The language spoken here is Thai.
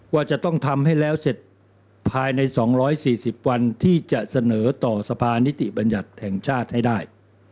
ว่าจะต้องทำให้แล้วเสร็จภายใน๒๔๐วันที่จะเสนอต่อสภานิติบัญญัติแห่งชาติให้ได้